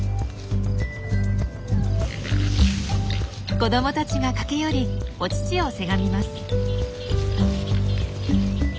子どもたちが駆け寄りお乳をせがみます。